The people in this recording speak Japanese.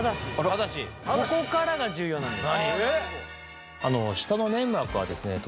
ここからが重要なんです。